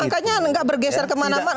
makanya nggak bergeser kemana mana